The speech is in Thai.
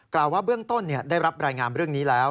กล่าวว่าเบื้องต้นได้รับรายงานเรื่องนี้แล้ว